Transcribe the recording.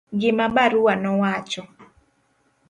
gima barua nowacho